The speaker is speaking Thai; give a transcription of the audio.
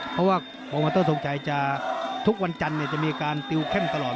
เพราะว่าบอกว่าต้องรักสงสัยจะทุกวันจันทร์จะมีการดรีไพร่ใหม่ตลอด